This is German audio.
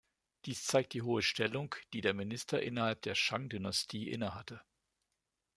Dies zeigt die hohe Stellung, die der Minister innerhalb der Shang-Dynastie innehatte.